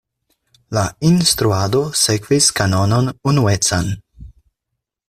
La instruado sekvis kanonon unuecan.